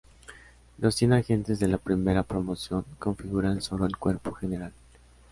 Los cien agentes de la primera promoción configuran solo el Cuerpo General.